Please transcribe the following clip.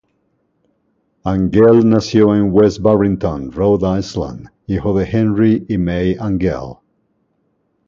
Angell nació en West Barrington, Rhode Island, hijo de Henry y Mae Angell.